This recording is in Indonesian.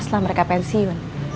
setelah mereka pensiun